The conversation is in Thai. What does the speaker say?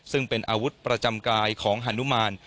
ซึ่งเป็นอาวุธประจำกายของฮานุมาน